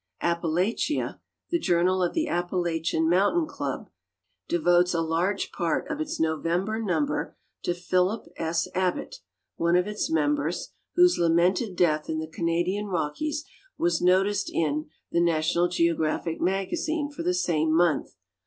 Appalachia, the journal of the Appalachian Mountain Club, devotes a large part of its November number to Philip S. Abbot, one of its mem bers, whose lamented death in the Canadian Rockies was noticed in The National Geographic Magazine for the same month.